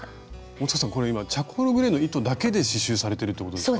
大さんこれ今チャコールグレーの糸だけで刺しゅうされてるってことですか？